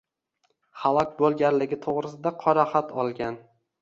Halok boʻlganligi toʻgʻrisida “qoraxat” olgan